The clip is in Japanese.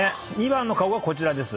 ２番の顔がこちらです。